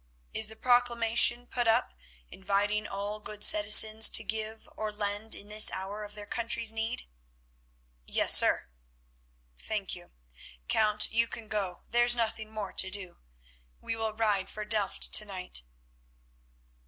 Is the proclamation put up inviting all good citizens to give or lend in this hour of their country's need?" "Yes, sir." "Thank you, Count, you can go; there is nothing more to do. We will ride for Delft to night."